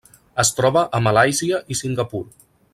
Es troba a Malàisia i Singapur.